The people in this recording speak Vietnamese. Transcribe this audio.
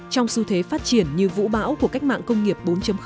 trong sự thể phát triển như vũ bão của cách mạng công nghiệp bốn